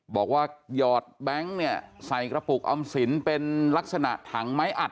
หยอดแบงค์เนี่ยใส่กระปุกออมสินเป็นลักษณะถังไม้อัด